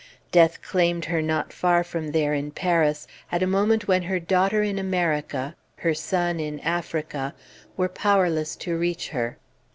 Death claimed her not far from there, in Paris, at a moment when her daughter in America, her son in Africa, were powerless to reach her.